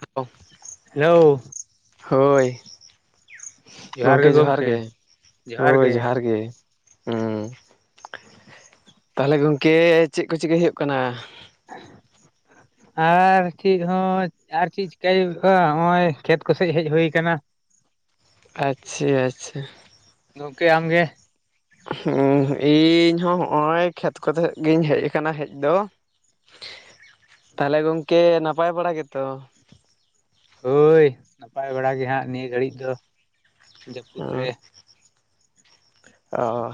[unintelligible] Hello ᱦᱳᱭ᱾ ᱜᱚᱝᱠᱮ ᱡᱚᱦᱟᱨ ᱜᱮ᱾ ᱦᱳᱭ ᱡᱚᱦᱟᱨ ᱜᱮ ᱦᱩᱸ, ᱛᱟᱦᱚᱞᱮ ᱜᱚᱝᱠᱮ ᱪᱮᱫ ᱠᱚ ᱪᱤᱠᱟᱹ ᱦᱩᱭᱩᱜ ᱠᱟᱱᱟ᱾ [inaudible] ᱟᱨ ᱪᱮᱫ ᱦᱚᱸ, ᱟᱨ ᱪᱮᱫ ᱪᱤᱠᱟᱹᱭ ᱦᱩᱭᱩᱜᱼᱟ ᱱᱚᱜᱼᱚᱭ ᱠᱷᱮᱛ ᱠᱚᱥᱡ ᱦᱮᱡ ᱦᱩᱭᱩ ᱠᱟᱱᱟ᱾ [unintelligible] ᱟᱪᱪᱷᱟ ᱟᱪᱪᱷᱟ᱾ ᱜᱚᱢᱠᱮ ᱟᱢᱜᱮ ᱤᱧ ᱦᱚᱸ ᱦᱚᱜ ᱚᱭ ᱠᱷᱮᱛ ᱠᱚᱛᱮ ᱜᱤᱧ ᱦᱮᱡ ᱠᱟᱱᱟ ᱦᱮᱡ ᱫᱚ᱾ [inaudible] ᱛᱟᱦᱚᱞᱮ ᱜᱚᱝᱠᱮ ᱱᱟᱯᱟᱭ ᱵᱟᱲᱟ ᱜᱮᱛᱚ? ᱦᱳᱭ ᱱᱟᱯᱟᱭ ᱵᱟᱲᱟ ᱜᱮ ᱦᱟᱸᱜ ᱱᱤᱭᱟᱹ ᱜᱷᱟᱹᱲᱤᱡ ᱫᱚ ᱡᱟᱹᱯᱩᱫ ᱨᱮ᱾ ᱚ,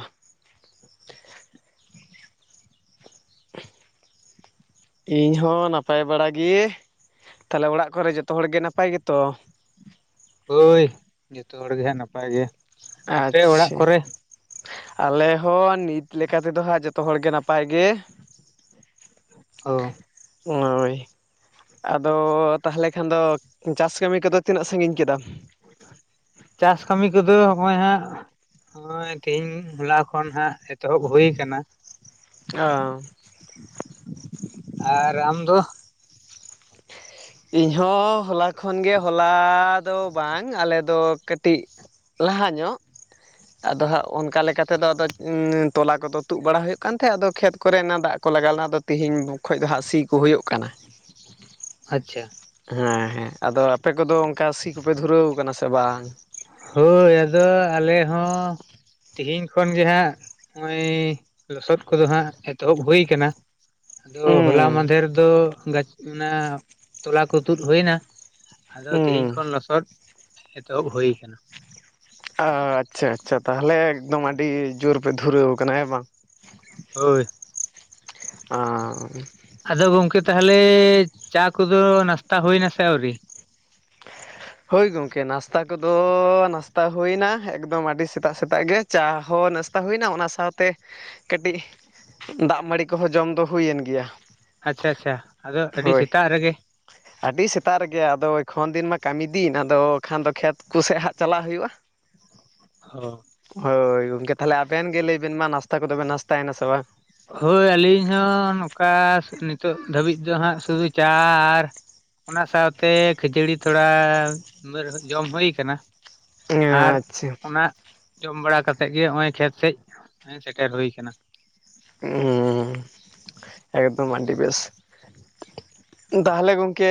ᱤᱧ ᱦᱚᱸ ᱱᱟᱯᱟᱭ ᱵᱟᱲᱟ ᱜᱮ, ᱛᱟᱦᱚᱞᱮ ᱚᱲᱟᱜ ᱠᱚᱨᱮ ᱡᱚᱛᱚ ᱦᱚᱲ ᱜᱮ ᱱᱟᱯᱟᱭ ᱜᱮᱛᱚ? ᱦᱳᱭ ᱡᱚᱛᱚ ᱦᱚᱲ ᱜᱮ ᱱᱟᱯᱟᱭ ᱜᱮ, ᱟᱯᱮ ᱚᱲᱟᱜ ᱟᱪᱪᱷᱟ, ᱠᱚᱨᱮ ᱟᱞᱮ ᱦᱚᱸ ᱱᱤᱛ ᱞᱮᱠᱟᱛᱮᱫᱚ ᱦᱟᱸᱜ ᱡᱚᱛᱚ ᱦᱚᱲᱜᱮ ᱱᱟᱯᱟᱭ ᱜᱮ᱾ ᱚ, ᱦᱳᱭ, ᱟᱫᱚ ᱛᱟᱦᱚᱞᱮ ᱠᱷᱟᱱ ᱫᱚ ᱪᱟᱥ ᱠᱟᱹᱢᱤ ᱠᱚᱫᱚ ᱛᱤᱱᱟᱹᱜ ᱥᱟᱺᱜᱤᱧ? ᱠᱮᱫᱟᱢ ᱪᱟᱥ ᱠᱟᱹᱢᱤ ᱠᱚᱫᱚ ᱦᱚᱜᱼᱚᱭ ᱦᱟᱸᱜ, ᱱᱚᱜ-ᱚᱭ ᱛᱮᱦᱮᱧ ᱦᱚᱞᱟ ᱠᱷᱚᱱ ᱦᱟᱸᱜ ᱮᱛᱚᱦᱚᱵ ᱦᱩᱭ ᱠᱟᱱᱟ᱾ ᱚ, ᱟᱨ ᱟᱢ ᱫᱚ? ᱤᱧ ᱦᱚ ᱦᱚᱞᱟ ᱠᱷᱚᱱᱜᱮ ᱦᱚᱞᱟ ᱫᱚ ᱵᱟᱝ ᱟᱞᱮᱫᱚ ᱠᱟᱹᱴᱤᱡ ᱞᱟᱦᱟ ᱧᱚᱜ ᱟᱫᱚ ᱦᱟᱸᱜ ᱚᱱᱠᱟ ᱞᱮᱠᱟᱛᱮᱫᱚ ᱟᱫᱚ ᱩᱸ ᱛᱚᱞᱟ ᱠᱚᱫᱚ ᱛᱩᱫ ᱵᱟᱲᱟ ᱦᱩᱭᱩᱜ ᱠᱟᱱ ᱛᱟᱦᱮᱸᱫ ᱟᱫᱚ ᱠᱷᱮᱛ ᱠᱚᱨᱮ ᱚᱱᱟ ᱫᱟᱜ ᱠᱚ ᱞᱟᱜᱟᱣ ᱞᱮᱱᱟ ᱟᱫᱚ ᱛᱤᱦᱤᱧ ᱠᱷᱚᱡ ᱫᱚ ᱦᱟᱸᱜ ᱥᱤ ᱠᱚ ᱦᱩᱭᱩᱜ ᱠᱟᱱᱟ᱾ ᱟᱪᱪᱷᱟ, ᱦᱮᱸ ᱦᱮᱸ, ᱟᱫᱚ ᱟᱯᱮ ᱠᱚᱫᱚ ᱚᱱᱠᱟ ᱥᱤ ᱠᱚᱯᱮ ᱫᱷᱩᱨᱟᱹᱣ ᱟᱠᱟᱱᱟ ᱥᱮᱼᱼ ᱦᱳᱭ ᱟᱫᱚ, ᱟᱞᱮ ᱦᱚᱸᱼᱼ ᱛᱮᱦᱮᱧ ᱠᱷᱚᱱ ᱜᱮ ᱦᱟᱸᱜ ᱱᱚᱜᱼᱚᱭ ᱞᱚᱥᱚᱫ ᱠᱚᱫᱚ ᱦᱟᱸᱜ ᱮᱛᱚᱦᱚᱵ ᱦᱩᱭ ᱠᱟᱱᱟ ᱾ ᱟᱫᱚ ᱦᱚᱞᱟ ᱦᱩᱸ ᱢᱟᱦᱫᱮᱨᱼᱼ ᱛᱚ ᱟᱫᱚ ᱜᱟᱪᱤ ᱚᱱᱟ ᱛᱚᱞᱟ ᱠᱚ ᱛᱩᱫ ᱦᱩᱭ ᱮᱱᱟ, ᱟᱫᱚ ᱛᱮᱦᱮᱧ ᱦᱩᱸ ᱠᱷᱚᱱ ᱞᱚᱥᱚᱫᱼᱼ ᱮᱛᱚᱦᱚᱵ ᱦᱩᱭ ᱟᱠᱟᱱᱟ ᱾ ᱚ ᱟᱪᱪᱷᱟ ᱟᱪᱪᱷᱟ, ᱛᱟᱦᱚᱞᱮ ᱮᱠᱫᱚᱢ ᱟᱹᱰᱤ ᱡᱳᱨ ᱯᱮ ᱫᱷᱩᱨᱟᱹᱣ ᱟᱠᱟᱱᱟ ᱦᱮ ᱵᱟᱝ ᱾ ᱦᱳᱭ ᱟᱸᱨᱼᱼ ᱟᱫᱚ ᱜᱚᱝᱠᱮ ᱛᱟᱦᱚᱞᱮ, ᱪᱟ ᱠᱚᱫᱚ ᱱᱟᱥᱛᱟ ᱦᱩᱭᱱᱟ ᱥᱮ ᱟᱹᱣᱨᱤ? ᱦᱳᱭ ᱜᱚᱢᱠᱮ ᱱᱟᱥᱛᱟ ᱠᱚᱫᱚ ᱱᱟᱥᱛᱟ ᱦᱩᱭᱱᱟ ᱮᱠᱫᱚᱢ ᱟᱹᱰᱤ ᱥᱮᱛᱟᱜ ᱥᱮᱛᱟᱜ ᱜᱮ, ᱪᱟ ᱦᱚᱸ ᱱᱟᱥᱛᱟᱼᱼ ᱛᱟ ᱦᱩᱭᱱᱟ ᱚᱱᱟ ᱥᱟᱶᱛᱮ, ᱠᱟᱹᱴᱤᱡ ᱫᱟᱜ ᱢᱟᱹᱲᱤ ᱠᱚᱦᱚᱸ ᱡᱚᱢ ᱫᱚ ᱦᱩᱭᱮᱱ ᱜᱮᱭᱟ ᱾ ᱟᱪᱪᱷᱟ ᱟᱪᱪᱷᱟ, ᱟᱫᱚ ᱟᱹᱰᱤ ᱥᱮᱛᱟᱜ ᱨᱮᱜᱮᱼᱼ ᱟᱹᱰᱤ ᱥᱮᱛᱟᱜ ᱨᱮᱜᱮ ᱟᱫᱚ ᱮᱠᱷᱚᱱ ᱫᱤᱱ ᱢᱟᱼᱼ ᱠᱟᱹᱢᱤ ᱫᱤᱱ ᱟᱫᱚ ᱠᱷᱟᱱ ᱫᱚ ᱠᱷᱮᱛ ᱠᱚᱥᱮᱫ ᱦᱟᱸᱜ ᱪᱟᱞᱟᱜ ᱦᱩᱭᱩᱜᱼᱟ ᱾ ᱦᱚᱸ [inaudible] ᱦᱳᱭ ᱜᱚᱝᱠᱮ ᱛᱟᱦᱚᱞᱮ ᱟᱵᱮᱱ ᱜᱮ ᱞᱟᱹᱭ ᱵᱮᱱ ᱢᱟ, ᱱᱟᱥᱛᱟ ᱠᱚᱫᱚ ᱵᱮᱱ ᱱᱟᱥᱛᱟᱭᱮᱱᱟ ᱥᱮ ᱵᱟᱝ? ᱦᱳᱭ ᱟᱹᱞᱤᱧ ᱦᱚᱸ ᱱᱚᱝᱠᱟ ᱱᱤᱛᱚᱜ ᱫᱷᱟᱹᱵᱤᱡ ᱫᱚ ᱦᱟᱸᱜ ᱥᱩᱫᱩ ᱪᱟ ᱟᱨᱼᱼ ᱚᱱᱟ ᱥᱟᱶᱛᱮ ᱠᱷᱟᱡᱟᱹᱲᱤ ᱛᱷᱚᱲᱟ [inaudible] ᱡᱚᱢ ᱦᱩᱭ ᱠᱟᱱᱟ ᱾ ᱟᱨ ᱟᱪᱪᱷᱟ ᱚᱱᱟᱼᱼ ᱡᱚᱢ ᱵᱟᱲᱟ ᱠᱟᱛᱮᱫ ᱜᱮ ᱱᱚᱜᱼᱚᱭ ᱠᱷᱮᱛ ᱥᱮᱡ ᱥᱮᱴᱮᱨ ᱦᱩᱭ ᱠᱟᱱᱟ ᱾ ᱦᱩᱸ ᱮᱠᱫᱚᱢ ᱟᱰᱤ ᱵᱮᱥ ᱾ ᱛᱟᱦᱚᱞᱮ ᱜᱚᱝᱠᱮ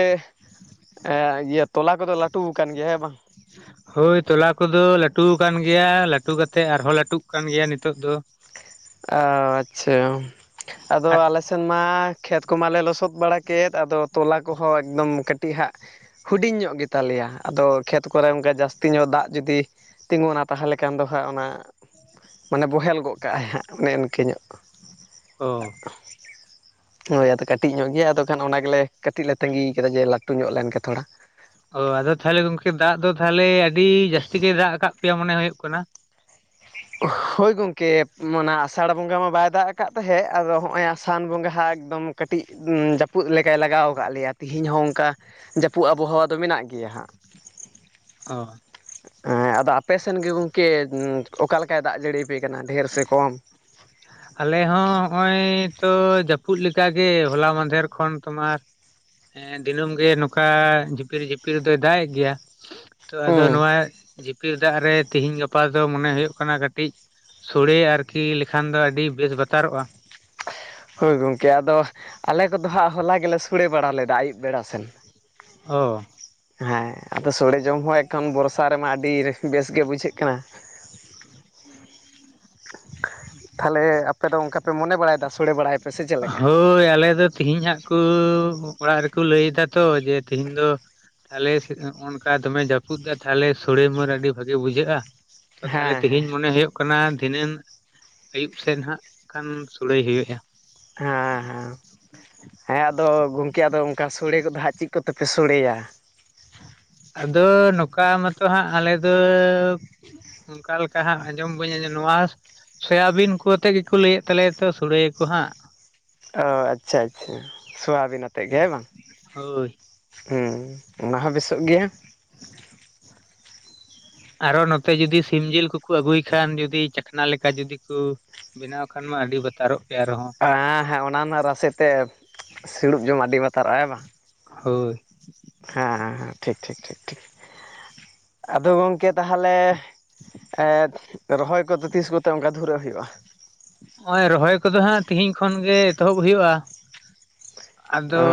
ᱮ ᱤᱭᱟᱹ ᱛᱚᱞᱟ ᱠᱚᱫᱚ ᱞᱟᱹᱴᱩ ᱟᱠᱟᱱ ᱜᱮᱭᱟ ᱦᱮᱸ ᱵᱟᱝ ᱾ ᱦᱮ [unintelligible] ᱦᱳᱭ ᱛᱚᱞᱟ ᱠᱚᱫᱚ ᱞᱟᱹᱴᱩ ᱠᱟᱱ ᱜᱮᱭᱟ, ᱞᱟᱹᱴᱩ ᱠᱟᱛᱮᱜ ᱟᱨᱦᱚᱸ ᱞᱟᱹᱴᱩᱜ ᱠᱟᱱ ᱜᱮᱭᱟ ᱱᱤᱛᱚᱜ ᱫᱚ ᱾ ᱟᱪᱪᱷᱟ, ᱟᱫᱚ ᱟᱞᱮᱼᱼ ᱥᱮᱱᱢᱟ ᱠᱷᱮᱛ ᱠᱚᱢᱟᱞᱮ ᱞᱚᱥᱚᱫ ᱵᱟᱲᱟ ᱠᱮᱫ, ᱟᱫᱚ ᱛᱚᱞᱟ ᱠᱚᱦᱚᱸ ᱮᱠᱫᱚᱢ ᱠᱟᱹᱴᱤᱡ ᱦᱟᱸᱜᱼᱼ ᱦᱩᱰᱤᱧ ᱧᱚᱜ ᱜᱮᱛᱟᱞᱮᱭᱟ, ᱟᱫᱚ ᱠᱷᱮᱛ ᱠᱚᱨᱮ ᱚᱱᱠᱟ ᱡᱟᱹᱥᱛᱤ ᱧᱚᱜ ᱫᱟᱜ ᱡᱩᱫᱤᱼᱼ ᱛᱤᱸᱜᱩᱱᱟ ᱛᱟᱦᱚᱞᱮ ᱠᱷᱟᱱ ᱫᱚ ᱦᱟᱸᱜ ᱚᱱᱟ, ᱢᱟᱱᱮ ᱵᱚᱦᱮᱞ ᱜᱚᱫ ᱠᱟᱜᱼᱟᱭ ᱦᱟᱸᱜ ᱾ ᱚᱱᱮ ᱤᱱᱠᱟᱹ ᱧᱚᱜ ᱾ ᱚ ᱦᱳᱭ ᱟᱫᱚ ᱠᱟᱹᱴᱤᱡ ᱧᱚᱜ ᱜᱮᱭᱟ ᱟᱫᱚ ᱠᱷᱟᱱ ᱚᱱᱟ ᱜᱮᱞᱮ ᱠᱟᱹᱴᱤᱡ ᱞᱮ ᱛᱟᱸᱟᱹᱜᱤ ᱠᱟᱫᱟ ᱡᱮ ᱞᱟᱹᱴᱩ ᱧᱚᱜ ᱞᱮᱱ ᱜᱮ ᱛᱷᱚᱲᱟ ᱾ ᱚ ᱟᱫᱚ ᱛᱟᱦᱞᱮ ᱜᱚᱝᱠᱮ ᱫᱟᱜ ᱫᱚ ᱛᱟᱦᱞᱮ ᱟᱹᱰᱤ ᱡᱟᱹᱥᱛᱤ ᱜᱮᱭ ᱫᱟᱜ ᱟᱠᱟᱫ ᱯᱮᱭᱟ ᱢᱚᱱᱮ ᱦᱩᱭᱩᱜ ᱠᱟᱱᱟ? [unintelligible] ᱦᱳᱭ ᱜᱚᱢᱠᱮ ᱚᱱᱟ ᱟᱥᱟᱲ ᱵᱚᱸᱜᱟ ᱢᱟ ᱵᱟᱭ ᱫᱟᱜ ᱟᱠᱟᱫ ᱛᱟᱦᱮᱸᱫ ᱟᱫᱚ ᱱᱚᱸᱜᱼᱚᱭ ᱟᱥᱟᱱ ᱵᱚᱸᱜᱟᱦᱟᱜ ᱮᱠᱫᱚᱢᱼᱼ ᱠᱟᱹᱴᱤᱡ ᱮᱸ ᱡᱟᱹᱯᱩᱫ ᱞᱮᱠᱟᱭ ᱞᱟᱜᱟᱣ ᱟᱠᱟᱫ ᱞᱮᱭᱟ ᱛᱤᱦᱤᱧ ᱦᱚᱸ ᱚᱱᱠᱟ ᱾ ᱡᱟᱹᱯᱩᱫ ᱟᱵᱽᱦᱟᱣᱟ ᱫᱚ ᱢᱮᱱᱟᱜ ᱜᱮᱭᱟ ᱦᱟᱸᱜ ᱾ [unintelligible] ᱚ ᱦᱮᱸ ᱟᱫᱚ ᱟᱯᱮ ᱥᱮᱱ ᱜᱮ ᱜᱚᱢᱠᱮ ᱚᱠᱟ ᱞᱮᱠᱟᱭ ᱫᱟᱜ ᱡᱟᱹᱲᱤᱭᱟᱯᱮ ᱠᱟᱱᱟ ᱰᱷᱮᱨ ᱥᱮ ᱠᱚᱢ? [inaudible] ᱟᱞᱮ ᱦᱚᱸ ᱱᱚᱜᱼᱚᱚᱭ ᱛᱚ ᱡᱟᱹᱯᱩᱫ ᱞᱮᱠᱟᱜ ᱜᱮ ᱦᱚᱞᱟ ᱢᱟᱫᱷᱮᱨ ᱠᱷᱚᱱ ᱛᱳᱢᱟᱨᱼᱼ ᱦᱮᱸ ᱫᱤᱱᱟᱹᱢ ᱜᱮ ᱱᱚᱝᱠᱟ, ᱡᱷᱤᱯᱤᱨ ᱡᱷᱤᱯᱤᱨ ᱫᱚᱭ ᱫᱟᱜ ᱮᱫ ᱜᱮᱭᱟ ᱾ ᱛᱚ ᱟᱫᱚ ᱦᱩᱸ ᱱᱚᱣᱟ [inaudible] ᱯᱤᱨ ᱫᱟᱜ ᱨᱮ ᱛᱮᱦᱮᱧ ᱜᱟᱯᱟ ᱫᱚ ᱢᱚᱱᱮ ᱦᱩᱭᱩᱜ ᱠᱟᱱᱟ ᱠᱟᱹᱴᱤᱡ ᱥᱚᱲᱮ ᱟᱨᱠᱤᱼᱼ ᱠᱷᱟᱱ ᱫᱚ ᱟᱹᱰᱤ ᱵᱮᱥ ᱵᱟᱛᱟᱨᱚᱜᱼᱟ ᱾ ᱦᱚᱭ ᱜᱚᱢᱠᱮ ᱟᱫᱚ, ᱟᱞᱮ ᱠᱚᱫᱚ ᱦᱟᱸᱜ ᱦᱚᱞᱟ ᱜᱮᱞᱮ ᱥᱚᱲᱮ ᱵᱟᱲᱟ ᱞᱮᱫᱟ ᱟᱹᱭᱩᱵ ᱵᱮᱲᱟ ᱥᱮᱫ ᱾ ᱦᱚᱸ ᱦᱮᱸ ᱟᱫᱚ ᱥᱚᱲᱮ ᱡᱚᱢ ᱦᱚᱸ ᱮᱠᱷᱚᱱ ᱵᱚᱨᱥᱟ ᱨᱮᱢᱟ ᱟᱹᱰᱤ ᱵᱮᱥ ᱜᱮ ᱵᱩᱡᱷᱟᱹᱜ ᱠᱟᱱᱟ᱾ [inaudible] [inaudible] [inaudible] ᱛᱟᱦᱚᱞᱮ ᱟᱯᱮ ᱫᱚ ᱚᱱᱠᱟᱯᱮ ᱢᱚᱱᱮ ᱵᱟᱲᱟᱭᱟ ᱥᱲᱮᱲᱟᱭ ᱯᱮ ᱦᱳᱭ ᱟᱞᱮ ᱫᱚ ᱛᱮᱦᱤᱧᱟᱜ ᱠᱩ ᱚᱲᱟᱜ ᱨᱮᱠᱚ ᱞᱟᱹᱭ ᱫᱟ ᱛᱚ ᱡᱮ ᱛᱮᱦᱤᱧ ᱫᱚ ᱛᱟᱦᱚᱞᱮ ᱚᱱᱠᱟ ᱫᱚᱢᱮ ᱡᱟᱹᱯᱩᱫ ᱮᱫᱟ ᱛᱟᱞᱦᱮ ᱥᱚᱲᱮ ᱢᱟᱹᱨ ᱟᱹᱰᱤ ᱵᱷᱟᱜᱤ ᱵᱩᱡᱷᱟᱹᱜ-ᱟ᱾ ᱛᱚ ᱛᱟᱦᱚᱞᱮ ᱦᱮᱸ ᱦᱮᱸ ᱛᱮᱦᱤᱧ ᱢᱚᱱᱮ ᱦᱩᱭᱩᱜ ᱫᱷᱤᱱᱟᱹᱱ ᱟᱹᱭᱩᱵ ᱥᱮᱫ ᱦᱟᱜ ᱠᱷᱟᱱ ᱥᱳᱲᱮ ᱦᱩᱭᱩᱜ-ᱟ᱾ ᱦᱮᱸ ᱦᱮᱸ ᱦᱮᱸ ᱟᱫᱚ ᱜᱚᱢᱠᱮ ᱟᱫᱚ ᱚᱱᱠᱟ ᱥᱚᱲᱮ ᱠᱚᱫᱚ ᱦᱟᱸᱜ ᱪᱤᱫ ᱠᱚᱛᱮ ᱛᱮᱯᱮ ᱥᱚᱲᱮᱭᱟ᱾ ᱟᱫᱚ ᱱᱚᱝᱠᱟ ᱢᱟᱛᱚ ᱦᱟᱸᱜ ᱟᱞᱮ ᱫᱚ ᱚᱱᱠᱟ ᱞᱮᱠᱟ ᱦᱟᱸᱜ ᱟᱸᱡᱚᱢ ᱵᱟᱹᱧ ᱟᱸᱡᱚᱢ ᱱᱚᱣᱟ ᱥᱮᱭᱟᱹᱵᱤᱱ ᱠᱚ ᱛᱮ ᱜᱮᱠᱚ ᱞᱟᱹᱭᱮᱫ ᱛᱟᱞᱮᱭᱟ ᱛᱚ ᱥᱚᱲᱮᱭᱟᱠᱚ ᱦᱟᱸᱜ ᱚ ᱟᱪᱪᱷᱟ -ᱟᱪᱪᱷᱟ ᱥᱚᱣᱟᱵᱤᱱ ᱟᱛᱮᱫ ᱜᱮ ᱦᱮᱸ ᱵᱟᱝ, ᱦᱳᱭ ᱦᱩᱸ ᱚᱱᱟ ᱦᱚᱸ ᱵᱮᱥᱚᱜ ᱜᱮᱭᱟ᱾ ᱟᱨᱚ ᱦᱚᱸ ᱱᱚᱛᱮ ᱡᱩᱫᱤ ᱥᱤᱢ ᱡᱤᱞ ᱠᱚᱠᱚ ᱟᱹᱜᱩᱭ ᱠᱷᱟᱱ ᱡᱩᱫᱤ ᱪᱟᱠᱷᱱᱟ ᱞᱮᱠᱟ ᱡᱩᱫᱤ ᱠᱩ ᱵᱮᱱᱟᱣ ᱠᱷᱟᱱ ᱢᱟ ᱟᱹᱰᱤ ᱵᱟᱛᱟᱨᱚᱜ ᱜᱮ ᱟᱨᱦᱚᱸ ᱦᱮᱸ ᱦᱮᱸ ᱚᱱᱟ ᱨᱮᱱᱟᱜ ᱨᱟᱥᱮ ᱛᱮ ᱥᱤᱲᱩᱵ ᱡᱚᱢ ᱟᱹᱰᱤ ᱵᱟᱛᱟᱨᱚᱜᱟᱭ ᱦᱮ ᱵᱟᱝ, ᱦᱚᱭ ᱦᱮᱸᱦᱮᱸ ᱦᱮᱸᱻ ᱴᱷᱤᱠ ᱴᱷᱤᱠ ᱴᱷᱤᱠ ᱴᱷᱤᱠ ᱟᱫᱚ ᱜᱚᱝᱠᱮ ᱛᱟᱦᱚᱞᱮ ᱨᱚᱦᱚᱭ ᱠᱚᱫᱚ ᱛᱤᱥ ᱠᱚᱛᱮ ᱚᱱᱠᱟ ᱫᱷᱩᱨᱟᱹᱜ ᱦᱩᱭᱩᱜ-ᱟ᱾ ᱦᱚᱭ ᱨᱚᱦᱚᱭ ᱠᱚᱫᱚ ᱦᱟᱸᱜ ᱛᱤᱦᱤᱧ ᱠᱷᱚᱱ ᱜᱮ ᱮᱛᱚᱦᱚᱵ ᱦᱩᱭᱩᱜ-ᱟ ᱟᱫᱚ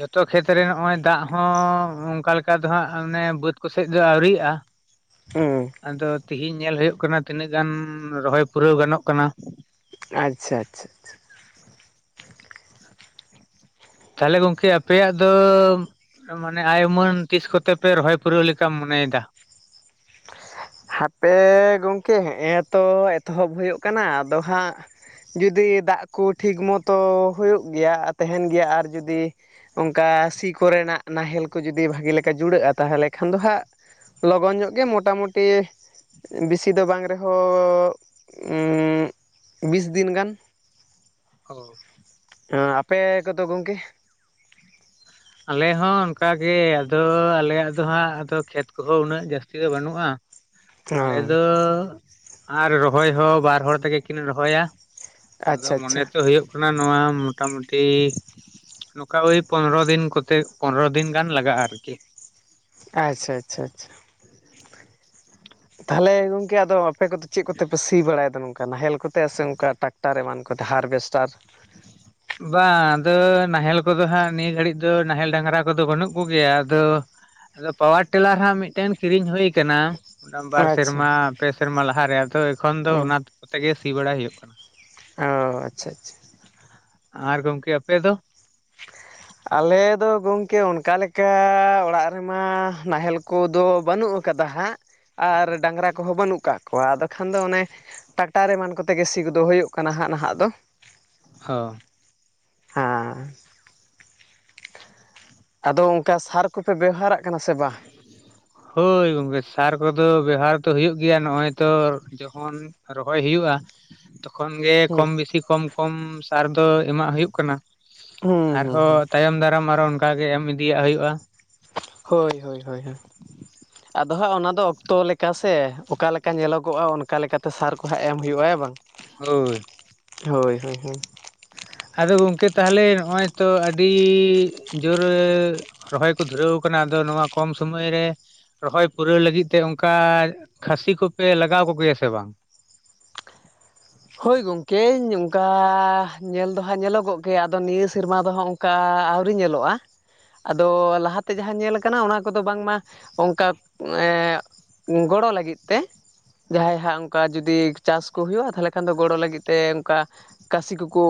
ᱡᱚᱛᱚ ᱠᱷᱮᱛᱨᱮ ᱱᱚᱜ-ᱚᱭ ᱫᱟᱜ ᱦᱚᱸ ᱚᱱᱠᱟ ᱞᱮᱠᱟ ᱫᱚ ᱦᱟᱸᱜ ᱚᱱᱮ ᱵᱟᱹᱫᱽ ᱠᱚᱥᱮᱡ ᱫᱚ ᱟᱹᱣᱨᱤᱜ-ᱟ᱾ [inaudible] ᱦᱩᱸ ᱟᱫᱚ ᱛᱮᱦᱤᱧ ᱧᱮᱞ ᱦᱩᱭᱩᱜ ᱠᱟᱱᱟ ᱛᱤᱱᱟᱹᱜ ᱜᱟᱱ ᱨᱚᱦᱚᱭ ᱯᱩᱨᱟᱹᱣ ᱜᱟᱱᱚᱜ ᱠᱟᱱᱟ᱾ ᱟᱪᱪᱷᱟ ᱟᱪᱪᱷᱟ ᱟᱪᱪᱷᱟ ᱛᱟᱦᱚᱞᱮ ᱜᱚᱝᱠᱮ ᱟᱯᱮᱭᱟᱜ ᱫᱚ ᱢᱟᱱᱮ ᱟᱭ ᱢᱟᱹᱱ ᱛᱤᱥ ᱠᱚᱛᱮ ᱯᱮ ᱨᱚᱦᱚᱭ ᱯᱩᱨᱟᱹᱣ ᱞᱮᱠᱟᱢ ᱢᱚᱱᱮᱭᱮ-ᱫᱟ᱾ ᱦᱟᱯᱮ ᱜᱚᱝᱠᱮ ᱦᱮᱜ ᱮ ᱛᱚ ᱮᱛᱚᱦᱚᱵ ᱦᱩᱭᱩᱜ ᱠᱟᱱᱟ ᱟᱫᱚ ᱦᱟᱸᱜ, ᱡᱩᱫᱤ ᱫᱟᱜ ᱠᱚ ᱴᱷᱤᱠ ᱢᱚᱛᱚ ᱦᱩᱭᱩᱜ ᱜᱮᱭᱟ ᱛᱟᱦᱮᱱ ᱜᱮᱭᱟ ᱟᱨ ᱡᱩᱫᱤ ᱚᱱᱠᱟ ᱥᱤ ᱠᱚᱨᱮᱱᱟᱜ ᱱᱟᱦᱮᱞ ᱠᱚ ᱡᱩᱫᱤ ᱵᱷᱟᱹᱜᱮ ᱞᱮᱠᱟ ᱡᱩᱲᱟᱹᱜ-ᱟ ᱛᱟᱦᱚᱞᱮ ᱠᱷᱟᱱ ᱫᱚ ᱦᱟᱸᱜ ᱞᱚᱜᱚᱱ ᱧᱚᱜ ᱜᱮ ᱢᱚᱴᱟᱢᱩᱴᱤ ᱵᱮᱥᱤ ᱫᱚ ᱵᱟᱝ ᱨᱮᱦᱚᱸᱻ ᱵᱤᱥ ᱫᱤᱱ ᱜᱟᱱ ᱚ ᱟᱯᱮ ᱠᱚᱫᱚ ᱜᱚᱝᱠᱮ? ᱟᱞᱮ ᱦᱚᱸ ᱚᱱᱠᱟᱜᱮ ᱟᱫᱚ ᱟᱞᱮᱭᱟᱜ ᱫᱚ ᱦᱟᱸᱜ ᱟᱫᱚ ᱠᱷᱮᱛ ᱠᱚᱦᱚᱸ ᱩᱱᱟᱹᱜ ᱡᱟᱹᱥᱛᱤ ᱫᱚ ᱵᱟᱹᱱᱩᱜ-ᱟ᱾ ᱟᱞᱮ ᱦᱚᱸ ᱫᱚ ᱟᱨ ᱨᱚᱦᱚᱭ ᱦᱚᱸ ᱵᱟᱨ ᱦᱚᱲ ᱛᱮᱜᱮ ᱠᱤᱱ ᱨᱚᱦᱚᱭᱟ᱾ ᱟᱫᱚ ᱟᱪᱪᱷᱟ ᱢᱚᱱᱮ ᱟᱪᱪᱷᱟ ᱛᱚ ᱦᱩᱭᱩᱜ ᱱᱚᱶᱟ ᱢᱚᱴᱟ ᱢᱩᱴᱤ ᱱᱚᱠᱟ ᱳᱭ ᱯᱚᱱᱨᱚ ᱫᱤᱱ ᱠᱷᱚᱱ ᱠᱚᱛᱮ ᱯᱚᱱᱨᱚ ᱫᱤᱱ ᱜᱟᱱ ᱞᱟᱜᱟᱜᱼᱟ ᱟᱨᱠᱤ ᱟᱪᱪᱷᱟ ᱟᱪᱪᱷᱟ ᱟᱪᱪᱷᱟ ᱛᱟᱦᱚᱞᱮ ᱜᱚᱝᱠᱮ ᱟᱫᱚ ᱟᱯᱮ ᱠᱚᱫᱚ ᱪᱮᱫ ᱠᱚᱛᱮᱯᱮ ᱥᱤ ᱵᱟᱲᱟᱭᱫᱟ ᱱᱚᱝᱠᱟ ᱱᱟᱦᱮᱞ ᱠᱚᱛᱮ ᱥᱮ ᱚᱱᱠᱟ ᱴᱟᱠ ᱴᱟᱨ ᱮᱢᱟᱱ ᱠᱚᱛᱮ ᱦᱟᱨᱵᱷᱮᱥᱴᱟᱨ ᱵᱟᱝ ᱟᱫᱚ ᱱᱟᱦᱮᱞ ᱠᱚᱫᱚ ᱦᱟᱸᱜ ᱱᱤᱭᱟᱹ ᱜᱷᱟᱹᱲᱤᱡ ᱫᱚ ᱱᱟᱦᱮᱞ ᱰᱟᱝᱨᱟ ᱠᱚᱫᱚ ᱵᱟᱹᱱᱩᱜ ᱠᱚᱜᱮᱭᱟ ᱟᱫᱚ ᱟᱫᱚ ᱯᱟᱣᱟᱨ ᱴᱮᱞᱟᱨ ᱦᱟᱸᱜ ᱢᱤᱫᱴᱮᱱ ᱠᱤᱨᱤᱧ ᱦᱳᱭ ᱟᱠᱟᱱᱟ ᱵᱟᱨ ᱟᱪᱪᱷᱟ ᱦᱩᱸ ᱥᱮᱨᱢᱟ ᱯᱮ ᱥᱮᱨᱢᱟ ᱞᱟᱦᱟᱨᱮ ᱟᱫᱚ ᱮᱠᱷᱚᱱ ᱫᱚ ᱚᱱᱟ ᱠᱚᱛᱮ ᱜᱮ ᱥᱤ ᱵᱟᱲᱟᱭ ᱦᱩᱭᱩᱜ ᱠᱟᱱᱟ᱾ ᱚ ᱟᱪᱪᱷᱟ ᱟᱪᱪᱷᱟ ᱟᱨ ᱜᱚᱢᱠᱮ ᱟᱯᱮ ᱫᱚ ᱟᱞᱮ ᱫᱚ ᱜᱚᱢᱠᱮ ᱚᱱᱠᱟ ᱞᱮᱠᱟ ᱚᱲᱟᱜ ᱨᱮᱢᱟ ᱱᱟᱦᱮᱞ ᱠᱚᱫᱚ ᱵᱟᱹᱱᱩᱜ ᱟᱹᱠᱟᱫᱟ ᱦᱟᱸᱜ ᱟᱨ ᱰᱟᱝᱨᱟ ᱠᱚᱦᱚᱸ ᱵᱟᱹᱱᱩᱜ ᱠᱟᱜ ᱠᱚᱣᱟ ᱟᱫᱚ ᱠᱷᱟᱱ ᱫᱚ ᱚᱱᱮ ᱴᱟᱠᱴᱟᱨ ᱮᱢᱟᱱ ᱠᱚᱛᱮᱜ ᱜᱮ ᱥᱤ ᱠᱚ ᱫᱚ ᱦᱩᱭᱩᱜ ᱠᱟᱱᱟ ᱦᱟᱸᱜ ᱱᱟᱦᱟᱜ ᱫᱚ ᱦᱚ ᱦᱮᱸ ᱟᱫᱚ ᱚᱱᱠᱟ ᱥᱟᱨ ᱠᱚᱯᱮ ᱵᱮᱣᱦᱟᱨᱟᱜ ᱠᱟᱱᱟ ᱥᱮ ᱵᱟᱝ ᱦᱳᱭ ᱜᱚᱝᱠᱮ ᱥᱟᱨ ᱠᱚᱫᱚ ᱵᱮᱣᱦᱟᱨ ᱫᱚ ᱦᱩᱭᱩᱜ ᱜᱮᱭᱟ ᱱᱚᱜᱼᱚᱭ ᱛᱚ ᱡᱚᱠᱷᱚᱱ ᱨᱚᱦᱚᱭ ᱦᱩᱭᱩᱜᱳᱼᱟ ᱛᱚᱠᱷᱚᱱ ᱜᱮ ᱦᱩᱸ ᱠᱚᱢ ᱵᱮᱥᱤ ᱠᱚᱢ ᱠᱚᱢ ᱥᱟᱨ ᱫᱚ ᱮᱢᱟᱜ ᱦᱩᱭᱩᱜ ᱠᱟᱱᱟ ᱦᱩᱸ ᱦᱩᱸ ᱦᱩᱸ ᱟᱨᱦᱚᱸ ᱛᱟᱭᱚᱢ ᱫᱟᱨᱟᱢ ᱟᱨᱦᱚ ᱚᱱᱠᱟ ᱜᱮ ᱮᱢ ᱤᱫᱤᱭᱟᱜ ᱦᱩᱭᱩᱜᱼᱟ᱾ ᱦᱳᱭ ᱦᱳᱭ ᱦᱳᱭ [inaudible] ᱟᱫᱚ ᱦᱟᱸᱜ ᱚᱱᱟᱫᱚ ᱚᱠᱛᱚ ᱞᱮᱠᱟ ᱥᱮ ᱚᱠᱟᱞᱮᱠᱟ ᱧᱮᱞᱚᱜᱚᱜᱼᱟ ᱚᱱᱠᱟ ᱞᱮᱠᱟᱛᱮ ᱥᱟᱨ ᱠᱚ ᱦᱟᱸᱜ ᱮᱢ ᱦᱩᱭᱩᱜᱼᱟ ᱦᱮᱸ ᱵᱟᱝ ᱦᱳᱭ ᱦᱳᱭ ᱦᱳᱭ ᱦᱳᱭ ᱟᱫᱚ ᱜᱚᱝᱠᱮ ᱛᱟᱦᱚᱞᱮ ᱱᱚᱜᱼᱚᱭ ᱛᱚ ᱟᱹᱰᱤ ᱡᱳᱨ ᱨᱚᱦᱚᱭ ᱠᱚ ᱫᱷᱩᱨᱟᱹᱣ ᱟᱠᱟᱱᱟ ᱟᱫᱚ ᱱᱚᱣᱟ ᱠᱚᱢ ᱥᱚᱢᱟᱚᱭ ᱨᱮ ᱨᱚᱦᱚᱭ ᱯᱩᱨᱟᱹᱣ ᱞᱟᱹᱜᱤᱫ ᱛᱮ ᱚᱱᱠᱟ ᱠᱷᱟᱹᱥᱤ ᱠᱚᱯᱮ ᱞᱟᱜᱟᱣ ᱠᱚᱜᱮᱭᱟ ᱥᱮ ᱵᱟᱝ ᱦᱳᱭ ᱜᱚᱢᱠᱮᱧ ᱚᱱᱠᱟ ᱧᱮᱞ ᱫᱚ ᱦᱟᱸᱜ ᱧᱮᱞᱚᱜᱚᱜ ᱜᱮᱭᱟ ᱟᱫᱚ ᱱᱤᱭᱟᱹ ᱥᱮᱨᱢᱟ ᱫᱚ ᱦᱟᱸᱜ ᱚᱱᱠᱟ ᱟᱹᱣᱨᱤ ᱧᱮᱞᱚᱜᱼᱟ ᱟᱫᱚ ᱞᱟᱦᱟᱛᱮ ᱡᱟᱦᱟᱸ ᱧᱮᱞ ᱠᱟᱱᱟ ᱚᱱᱟ ᱠᱚᱫᱚ ᱵᱟᱝᱢᱟ ᱚᱱᱠᱟ ᱮᱸ ᱜᱚᱲᱚ ᱞᱟᱹᱜᱤᱫ ᱛᱮ ᱡᱟᱦᱟᱸᱭ ᱦᱟᱸᱜ ᱚᱱᱠᱟ ᱡᱩᱫᱤ ᱪᱟᱥ ᱠᱚ ᱦᱩᱭᱩᱜᱼᱟ ᱛᱟᱦᱚᱞᱮ ᱮᱱᱠᱷᱟᱱ ᱫᱚ ᱜᱚᱲᱚ ᱞᱟᱹᱜᱤᱫ ᱛᱮ ᱚᱱᱠᱟ ᱠᱟᱥᱤ ᱠᱚᱠᱚ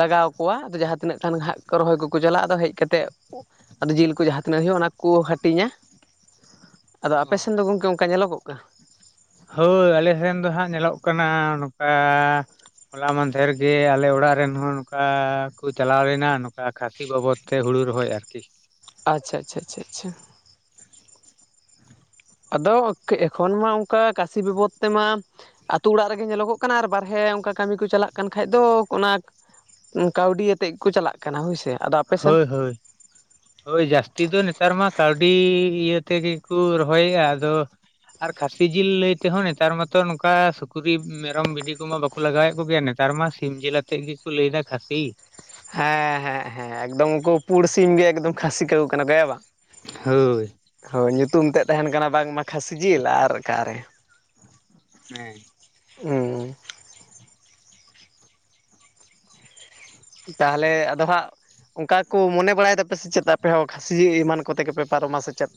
ᱞᱟᱜᱟᱣ ᱠᱚᱣᱟ ᱟᱫᱚ ᱡᱟᱦᱟᱸ ᱛᱤᱱᱟᱹᱜ ᱠᱷᱟᱱ ᱦᱟᱸᱜ ᱨᱚᱦᱚᱭ ᱠᱚᱠᱚ ᱪᱟᱞᱟᱜᱼᱟ ᱟᱫᱚ ᱦᱮᱡ ᱠᱟᱛᱮᱫ ᱟᱫᱚ ᱡᱤᱞ ᱠᱚ ᱡᱟᱦᱟᱸ ᱛᱤᱱᱟᱹᱜ ᱦᱳᱭᱳᱜ ᱟ ᱚᱱᱟ ᱠᱚᱠᱚ ᱦᱟᱹᱴᱤᱧᱟ [inaudible] ᱟᱫᱚ ᱟᱯᱮᱥᱮᱱ ᱫᱚ ᱜᱚᱢᱠᱮ ᱚᱱᱠᱟ ᱧᱮᱞᱚᱜᱚᱜ ᱠᱟᱱᱟ ᱦᱳᱭ ᱟᱞᱮ ᱥᱮᱱ ᱫᱚ ᱦᱟᱸᱜ ᱧᱮᱞᱚᱜ ᱠᱟᱱᱟ ᱱᱚᱝᱠᱟ ᱦᱚᱞᱟ ᱢᱟᱦᱫᱷᱮᱨ ᱜᱮ ᱟᱞᱮ ᱚᱲᱟᱜ ᱨᱮᱱ ᱦᱚᱸ ᱱᱚᱝᱠᱟ ᱠᱚ ᱪᱟᱞᱟᱣ ᱞᱮᱱᱟ ᱱᱚᱝᱠᱟ ᱠᱷᱟᱹᱥᱤ ᱵᱟᱵᱚᱫᱽ ᱛᱮ ᱦᱩᱲᱩ ᱨᱚᱦᱚᱭ ᱟᱨᱠᱤ ᱟᱪᱪᱷᱟ ᱟᱪᱪᱷᱟ ᱪᱷᱟ ᱪᱷᱟ ᱪᱷᱟ ᱟᱫᱚ ᱮᱠᱷᱚᱱ ᱢᱟ ᱚᱱᱠᱟ ᱠᱟᱥᱤ ᱵᱤᱯᱚᱫ ᱛᱮᱢᱟ ᱟᱹᱛᱩ-ᱚᱲᱟᱜ ᱨᱮᱜᱮ ᱧᱮᱞᱚᱜᱚᱜ ᱠᱟᱱᱟ ᱟᱨ ᱵᱟᱨᱦᱮ ᱚᱱᱠᱟ ᱠᱟᱹᱢᱤ ᱠᱚ ᱪᱟᱞᱟᱜ ᱠᱟᱱ ᱠᱷᱟᱡ ᱫᱚ ᱚᱱᱟ ᱠᱟᱹᱣᱰᱤ ᱟᱛᱮᱫ ᱜᱮ ᱠᱚ ᱪᱟᱞᱟᱜ ᱠᱟᱱᱟ ᱦᱳᱭ ᱥᱮ ᱦᱳᱭ ᱦᱳᱭ ᱦᱳᱭ ᱡᱟᱹᱥᱛᱤ ᱫᱚ ᱱᱮᱛᱟᱨ ᱢᱟ ᱠᱟᱹᱣᱰᱤ ᱤᱭᱟᱹ ᱛᱮᱜᱮ ᱠᱚ ᱨᱚᱦᱚᱭᱮᱫᱼᱟ ᱟᱫᱚ ᱟᱨ ᱠᱷᱟᱹᱥᱤ ᱡᱤᱞ ᱞᱟᱹᱭ ᱛᱮᱦᱚᱸ ᱱᱮᱛᱟᱨ ᱢᱟᱛᱚ ᱱᱚᱝᱠᱟ ᱥᱩᱠᱨᱤ ᱢᱮᱨᱚᱢ ᱵᱷᱤᱰᱤ ᱠᱚᱢᱟ ᱵᱟᱠᱚ ᱠᱚ ᱞᱟᱜᱟᱣᱮᱫ ᱠᱚᱜᱮᱭᱟ ᱱᱮᱛᱟᱨ ᱢᱟ ᱥᱤᱢ ᱡᱤᱞ ᱟᱛᱮᱫ ᱜᱮᱠᱚ ᱞᱟᱹᱭ ᱮᱫᱟ ᱠᱷᱟᱹᱥᱤ᱾ ᱦᱮᱸ ᱦᱮᱸ ᱦᱮᱸ ᱮᱠᱫᱚᱢ ᱩᱱᱠᱩ ᱯᱩᱲ ᱥᱤᱢ ᱜᱮ ᱮᱠᱫᱚᱢ ᱠᱷᱟᱹᱥᱤ ᱠᱟᱣ ᱠᱟᱱᱟ ᱦᱮ ᱵᱟᱝ ᱦᱳᱭ ᱦᱳᱭ ᱧᱩᱛᱩᱢ ᱛᱮᱫ ᱛᱟᱦᱮᱱ ᱠᱟᱱᱟ ᱵᱟᱝ ᱢᱟ ᱠᱷᱟᱥᱤ ᱡᱤᱞ ᱟᱨ ᱚᱠᱟᱨᱮ ᱦᱮ ᱦᱩᱸ ᱛᱟᱦᱚᱞᱮ ᱟᱫᱚ ᱦᱟᱸᱜ ᱚᱱᱠᱟ ᱠᱚ ᱢᱚᱱᱮ ᱵᱟᱲᱟᱭ ᱫᱟᱯᱮ ᱥᱮ ᱪᱮᱫ ᱟᱯᱮ ᱦᱚᱸ ᱠᱷᱟᱹᱥᱤ ᱮᱢᱟᱱ ᱠᱚᱛᱮ ᱜᱮᱯᱮ ᱯᱟᱨᱚᱢᱟ ᱥᱮ ᱪᱮᱫ?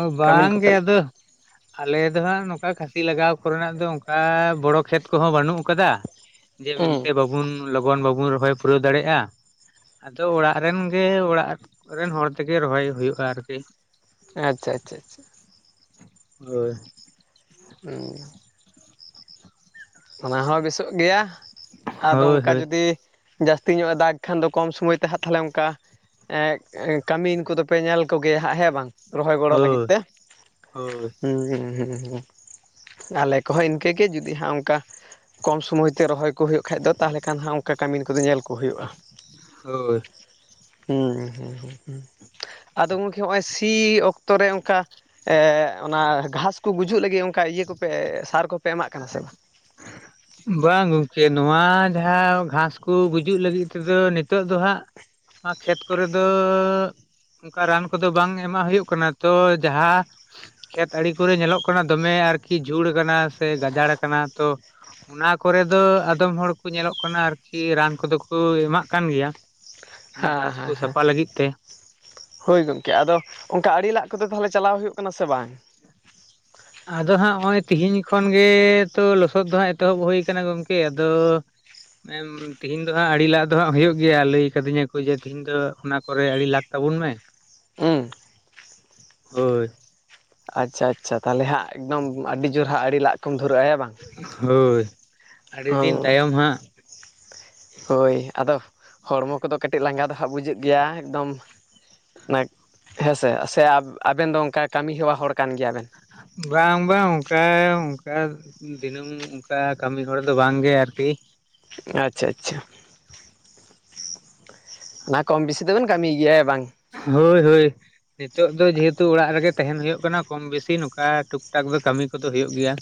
ᱚ ᱠᱟᱹᱢᱤᱱ ᱵᱟᱝ ᱜᱮ ᱠᱚᱯᱮ ᱟᱫᱚ᱾ ᱟᱞᱮ ᱫᱚ ᱦᱟᱸᱜ ᱱᱚᱝᱠᱟ ᱠᱷᱟᱹᱥᱤ ᱞᱟᱜᱟᱣ ᱠᱚᱨᱮᱱᱟᱜ ᱫᱚ ᱚᱱᱠᱟ ᱵᱚᱲᱚ ᱠᱷᱮᱛ ᱠᱚᱦᱚᱸ ᱵᱟᱹᱱᱩᱜ ᱠᱟᱫᱟ᱾ ᱡᱮ ᱢᱮᱱᱛᱮ ᱦᱩᱸ ᱵᱟᱵᱩᱱ ᱞᱚᱜᱚᱱ ᱵᱟᱵᱚᱱ ᱨᱚᱦᱚᱭ ᱯᱩᱨᱟᱹᱣ ᱫᱟᱲᱮᱭᱟᱜ-ᱟ᱾ ᱟᱫᱚ ᱚᱲᱟᱜ ᱨᱮᱱ ᱜᱮ ᱚᱲᱟᱜ ᱨᱮᱱ ᱦᱚᱲ ᱛᱮᱜᱮ ᱨᱚᱦᱚᱭ ᱦᱩᱭᱩᱜ-ᱟ ᱟᱨᱠᱤ᱾ ᱟᱪᱪᱷᱟ ᱟᱪᱪᱷᱟ ᱟᱪᱪᱷᱟ ᱦᱳᱭ ᱦᱩᱻ ᱚᱱᱟ ᱦᱚᱸ ᱵᱮᱥᱚᱜ ᱜᱮᱭᱟ ᱟᱫᱚ ᱦᱳᱭ ᱚᱱᱠᱟ ᱦᱳᱭ ᱡᱩᱫᱤ ᱡᱟᱹᱥᱛᱤ ᱧᱚᱜ-ᱟ ᱫᱟᱜᱽ ᱠᱷᱟᱱ ᱫᱚ ᱠᱚᱢ ᱥᱚᱢᱚᱭ ᱛᱮ ᱦᱟᱜ ᱛᱟᱦᱚᱞᱮ ᱚᱱᱠᱟ ᱠᱟᱹᱢᱤᱱ ᱠᱚᱫᱚ ᱯᱮ ᱧᱮᱞ ᱠᱚᱜᱮᱭᱟ ᱦᱟᱸᱜ ᱦᱮᱸ ᱵᱟᱝ᱾ ᱨᱚᱦᱚᱭ ᱜᱚᱲᱚ ᱞᱟᱹᱜᱤᱫ ᱦᱳᱭ ᱛᱮ ᱦᱳᱭ ᱦᱩᱸ ᱦᱩᱸ ᱦᱩᱸ ᱟᱞᱮ ᱠᱚᱦᱚᱸ ᱤᱱᱠᱟᱹᱜ ᱜᱮ ᱡᱩᱫᱤ ᱦᱟᱸᱜ ᱚᱱᱠᱟ ᱠᱚᱢ ᱥᱚᱢᱚᱭ ᱛᱮ ᱨᱚᱦᱚᱭ ᱠᱚ ᱦᱩᱭᱩᱜ ᱠᱷᱟᱡ ᱫᱚ ᱛᱟᱦᱚᱞᱮ ᱠᱷᱟᱱ ᱦᱟᱸᱜ ᱚᱱᱠᱟ ᱠᱟᱹᱢᱤᱱ ᱠᱚᱫᱚ ᱧᱮᱞ ᱠᱚ ᱦᱩᱭᱩᱜ-ᱟ᱾ ᱦᱳᱭ ᱦᱩᱸ ᱦᱩᱸ ᱦᱩᱸ ᱟᱫᱚ ᱜᱚᱢᱠᱮ ᱦᱚᱜ-ᱚᱭ ᱥᱤ ᱚᱠᱛᱚ ᱨᱮ ᱚᱱᱠᱟ ᱚᱱᱟ ᱜᱷᱟᱸᱥ ᱠᱚ ᱜᱩᱡᱩᱜ ᱞᱟᱹᱜᱤᱫ ᱚᱱᱠᱟ ᱤᱭᱟᱹ ᱠᱚᱯᱮ ᱥᱟᱨ ᱠᱚᱯᱮ ᱮᱢᱟᱜ ᱠᱟᱱᱟ ᱥᱮ ᱵᱟᱝ? ᱵᱟᱝ ᱜᱚᱢᱠᱮ ᱱᱚᱣᱟ ᱡᱟᱦᱟᱸ ᱜᱷᱟᱸᱥ ᱠᱚ ᱜᱩᱡᱩᱜ ᱞᱟᱹᱜᱤᱫ ᱛᱮᱫᱚ ᱱᱤᱛᱚᱜ ᱫᱚ ᱦᱟᱸᱜ ᱱᱚᱣᱟ ᱠᱷᱮᱛ ᱠᱚᱨᱮ ᱫᱚ ᱚᱱᱠᱟ ᱨᱟᱱ ᱠᱚᱫᱚ ᱵᱟᱝ ᱮᱢᱟᱜ ᱦᱩᱭᱩᱜ ᱠᱟᱱᱟ ᱛᱚ ᱡᱟᱦᱟᱸ ᱠᱷᱮᱛ ᱟᱲᱮ ᱠᱚᱨᱮ ᱧᱮᱞᱚᱜ ᱠᱟᱱᱟ ᱫᱚᱢᱮ ᱟᱨᱠᱤ ᱡᱷᱩᱲ ᱠᱟᱱᱟ ᱥᱮ ᱜᱟᱡᱟᱲ ᱠᱟᱱᱟ ᱛᱚ, ᱚᱱᱟ ᱠᱚᱨᱮ ᱫᱚ ᱟᱫᱚᱢ ᱦᱚᱲ ᱠᱚ ᱧᱮᱞᱚᱜ ᱠᱟᱱᱟ ᱟᱨᱠᱤ ᱨᱟᱱ ᱠᱚᱫᱚ ᱠᱚ ᱮᱢᱟᱜ ᱠᱟᱱ ᱜᱮᱭᱟ᱾ ᱚᱱᱟ ᱦᱮᱸ ᱜᱷᱟᱥ ᱠᱚ ᱦᱮᱸ ᱦᱮᱸ ᱥᱟᱯᱷᱟ ᱞᱟᱹᱜᱤᱫ ᱛᱮ᱾ ᱦᱳᱭ ᱜᱚᱢᱠᱮ ᱟᱫᱚ ᱚᱱᱠᱟ ᱟᱲᱮ ᱞᱟᱜ ᱠᱚᱫᱚ ᱛᱟᱦᱚᱞᱮ ᱪᱟᱞᱟᱣ ᱦᱩᱭᱩᱜ ᱠᱟᱱᱟ ᱥᱮ ᱵᱟᱝ? ᱟᱫᱚ ᱦᱟᱸᱜ ᱱᱚᱜ-ᱚᱭ ᱛᱮᱦᱤᱧ ᱠᱷᱚᱱ ᱜᱮ ᱛᱚ ᱞᱚᱥᱚᱫ ᱫᱚᱦᱟᱸᱜ ᱮᱛᱚᱦᱚᱵ ᱦᱩᱭᱩ ᱠᱟᱱᱟ ᱜᱚᱢᱠᱮ ᱟᱫᱚ ᱮᱢ ᱛᱤᱦᱮᱧ ᱫᱚ ᱦᱟᱸᱜ ᱟ ᱞᱟᱜ ᱫᱚ ᱦᱟᱸᱜ ᱦᱩᱭᱩᱜ ᱜᱮᱭᱟ ᱞᱟᱹᱭ ᱠᱟᱫᱤᱧᱟ ᱠᱚ ᱡᱮ ᱛᱮᱦᱮᱧ ᱫᱚ ᱚᱱᱟ ᱠᱚᱨᱮ ᱟᱲᱮ ᱞᱟᱜ ᱛᱟᱵᱩᱱ ᱢᱮ᱾ ᱦᱩᱸ ᱦᱳᱭ ᱟᱪᱪᱷᱟ ᱟᱪᱪᱷᱟ ᱛᱟᱦᱚᱞᱮ ᱦᱟᱸᱜ ᱮᱠᱫᱚᱢ ᱟᱹᱰᱤ ᱡᱳᱨ ᱦᱟᱸᱜ ᱟᱲᱮ ᱞᱟᱜ ᱠᱚᱢ ᱫᱷᱩᱨᱟᱹᱜ ᱦᱮᱸ ᱵᱟᱝ ᱚ ᱟᱢ ᱦᱟᱸᱜ ᱦᱳᱭ ᱟᱫᱚ ᱦᱚᱲᱢᱚ ᱠᱚᱫᱚ ᱠᱟᱹᱴᱤᱡ ᱞᱟᱸᱜᱟ ᱫᱚ ᱦᱟᱸᱜ ᱵᱩᱡᱟᱹᱜ ᱜᱮᱭᱟ ᱮᱠᱫᱚᱢ, ᱚᱱᱟ ᱦᱮᱸᱥᱮ ᱥᱮ ᱟᱵᱮᱱ ᱫᱚ ᱚᱱᱠᱟ ᱠᱟᱹᱢᱤ ᱦᱮᱣᱟ ᱦᱚᱲ ᱠᱟᱱ ᱜᱮᱭᱟᱵᱮᱱ᱾ ᱵᱟᱝ ᱵᱟᱝ ᱚᱱᱠᱟ ᱚᱱᱠᱟ ᱫᱤᱱᱟᱹᱢ ᱚᱱᱠᱟ ᱠᱟᱹᱢᱤ ᱦᱚᱲ ᱫᱚ ᱵᱟᱝ ᱜᱮ ᱟᱨᱠᱤ᱾ ᱟᱪᱪᱷᱟ ᱟᱪᱪᱷᱟ ᱚᱱᱟ ᱠᱚᱢ ᱵᱤᱥᱤ ᱫᱚ ᱵᱤᱱ ᱠᱟᱹᱢᱤᱭ ᱜᱮᱭᱟ ᱵᱟᱝ᱾ ᱦᱳᱭ ᱦᱳᱭ᱾ ᱱᱤᱛᱚᱜ ᱫᱚ ᱡᱮ ᱦᱮᱛᱩ ᱚᱲᱟᱜ ᱨᱮᱜᱮ ᱛᱮᱦᱮᱸᱱ ᱦᱩᱭᱩᱜ ᱠᱟᱱᱟ ᱠᱚᱢ ᱵᱮᱥᱤ ᱱᱚᱠᱟ ᱴᱩᱠ ᱴᱟᱠ ᱫᱚ ᱠᱟᱹᱢᱤ ᱠᱚᱫᱚ ᱦᱩᱭᱩᱜ ᱜᱮᱭᱟ᱾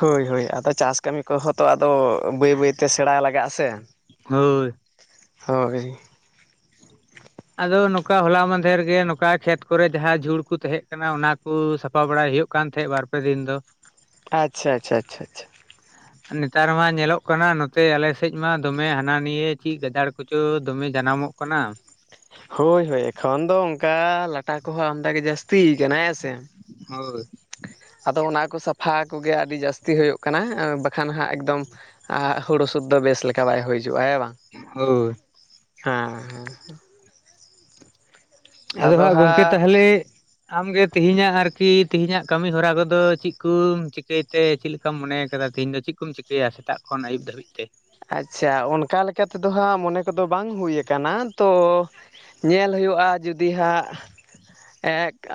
ᱦᱚᱭ ᱦᱚᱭ ᱟᱫᱚ ᱪᱟᱥ ᱠᱟᱹᱢᱤ ᱠᱚ ᱦᱚᱸ ᱼᱼ ᱛᱚ ᱟᱫᱚ ᱵᱟᱹᱭ ᱵᱟᱹᱭ ᱛᱮ ᱥᱮᱬᱟ ᱞᱟᱜᱟᱜ-ᱟ ᱥᱮ, ᱦᱳᱭ ᱦᱚᱭ᱾ ᱟᱫᱚ ᱱᱚᱠᱟ ᱦᱚᱞᱟ ᱢᱟᱫᱷᱮᱨ ᱜᱮ ᱱᱚᱠᱟ ᱠᱷᱮᱛ ᱠᱚᱨᱮ ᱡᱟᱦᱟᱸ ᱡᱷᱩᱲ ᱠᱩ ᱛᱮᱦᱮᱸᱜ ᱠᱟᱱᱟ ᱚᱱᱟ ᱠᱩ ᱥᱟᱯᱷᱟ ᱵᱟᱲᱟᱭ ᱦᱩᱭᱩᱜ ᱠᱟᱱ ᱛᱮᱦᱮᱸᱜ ᱵᱟᱨ ᱯᱮ ᱫᱤᱱ ᱫᱚ᱾ ᱟᱪᱪᱷᱟ ᱟᱪᱪᱷᱟ ᱪᱷᱟ ᱪᱷᱟ ᱪᱷᱟ᱾ ᱱᱮᱛᱟᱨ ᱢᱟ ᱧᱮᱞᱚᱜ ᱠᱟᱱᱟ ᱱᱚᱛᱮ ᱟᱞᱮ ᱥᱮᱡ ᱢᱟ ᱫᱚᱢᱮ ᱦᱟᱱᱟ ᱱᱤᱭᱟᱹ ᱪᱤᱜ ᱜᱟᱡᱟᱲ ᱠᱚᱪᱚ ᱫᱚᱢᱮ ᱡᱟᱱᱟᱢᱚᱜ ᱠᱟᱱᱟ᱾ ᱦᱳᱭ ᱦᱳᱭ ᱮᱠᱷᱚᱱ ᱫᱚ ᱚᱝᱠᱟ ᱞᱟᱴᱟ ᱠᱚᱦᱚᱸ ᱟᱢᱫᱟ ᱜᱮ ᱡᱟᱥᱼᱼ ᱛᱤ ᱠᱟᱱᱟ ᱦᱮᱸ ᱥᱮ᱾ ᱦᱳᱭ ᱟᱫᱚ ᱚᱱᱟ ᱠᱚ ᱥᱟᱯᱷᱟ ᱠᱚᱜᱮ ᱟᱹᱰᱤ ᱡᱟᱹᱥᱛᱤ ᱦᱩᱭᱩᱜ ᱠᱟᱱᱟ ᱮᱸ ᱵᱟᱠᱷᱟᱱ ᱦᱟᱸᱜ ᱮᱠᱫᱚᱢᱼᱼ ᱟᱸᱜ ᱦᱩᱲᱩ ᱥᱩᱫᱽ ᱫᱚ ᱵᱮᱥ ᱞᱮᱠᱟ ᱵᱟᱭ ᱦᱩᱭ ᱪᱩᱣᱟᱜ-ᱟ ᱦᱮᱸ ᱵᱟᱝ, ᱦᱳᱭ ᱦᱟᱸ ᱦᱟᱸ ᱦᱟᱸ᱾ ᱟᱫᱚ ᱦᱟᱸᱜ ᱜᱚᱝᱠᱮ ᱛᱟᱦᱞᱮᱼᱼ ᱟᱢᱜᱮ ᱛᱤᱦᱤᱧᱟᱜ ᱟᱨᱠᱤ ᱛᱮᱦᱤᱧᱟᱜ ᱠᱟᱹᱢᱤ ᱦᱚᱨᱟ ᱠᱚᱫᱚ ᱪᱤᱜ ᱠᱩᱢ ᱪᱤᱠᱟᱹᱭ ᱛᱮ ᱪᱤᱞᱤᱼᱼ ᱠᱟᱢ ᱢᱚᱱᱮ ᱭᱟᱠᱟᱫᱟ ᱛᱤᱦᱤᱧ ᱫᱚ ᱪᱤᱜ ᱠᱩᱢ ᱪᱤᱠᱟᱹᱭᱟ ᱥᱮᱛᱟᱜ ᱠᱷᱚᱱ ᱟᱭᱩᱵ ᱫᱷᱟᱹᱵᱤᱡ ᱛᱮ? ᱟᱪᱪᱷᱟ ᱚᱱᱠᱟ ᱞᱮᱠᱟ ᱛᱮᱫᱚ ᱦᱟᱸᱜ ᱢᱚᱱᱮ ᱠᱚᱫᱚ ᱵᱟᱝ ᱦᱩᱭᱟ ᱠᱟᱱᱟ ᱛᱚᱼᱼ ᱧᱮᱞ ᱦᱩᱭᱩᱜ-ᱟ ᱡᱩᱫᱤ ᱦᱟᱸᱜ ᱮᱠ, ᱟᱼᱼ